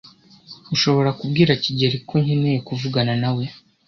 Ushobora kubwira kigeli ko nkeneye kuvugana nawe?